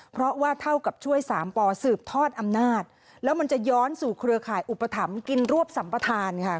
เพราะว่าเท่ากับช่วยสามปสืบทอดอำนาจแล้วมันจะย้อนสู่เครือข่ายอุปถัมภ์กินรวบสัมปทานค่ะ